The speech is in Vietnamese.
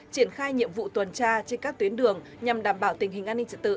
triển khai nhiệm vụ tuần tra trên các tuyến đường nhằm đảm bảo tình hình an ninh trật tự